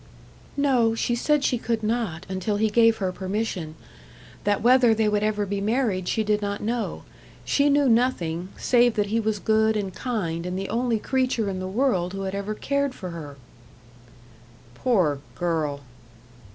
"No. She said she could not, until he gave her permission. That whether they would ever be married she did not know. She knew nothing, save that he was good and kind, and the only creature in the world who had ever cared for her." "Poor girl!"